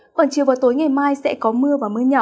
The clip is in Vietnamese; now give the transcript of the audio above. khoảng chiều và tối ngày mai sẽ có mưa và mưa nhỏ